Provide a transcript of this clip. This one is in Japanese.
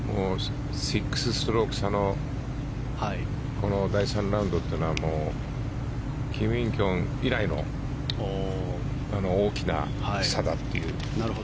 ６ストローク差のこの第３ラウンドというのはキム・インキョン以来の大きな差だという。